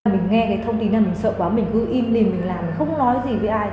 mình nghe cái thông tin này mình sợ quá mình cứ im thì mình làm không nói gì với ai